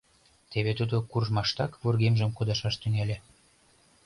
Теве тудо куржмаштак вургемжым кудашаш тӱҥале.